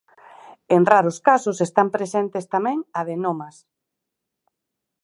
En raros casos están presentes tamén adenomas.